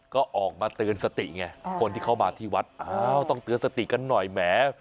ก็ออกมาเตือนสติไงคนที่เขามาที่วัดอ้าวต้องเตือนสติกันหน่อยแหม